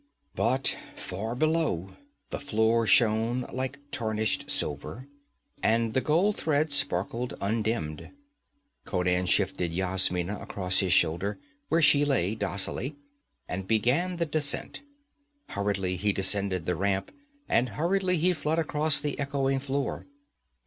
But far below, the floor shone like tarnished silver, and the gold thread sparkled undimmed. Conan shifted Yasmina across his shoulder, where she lay docilely, and began the descent. Hurriedly he descended the ramp, and hurriedly he fled across the echoing floor.